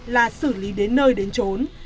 là xử lý đến nơi đến trốn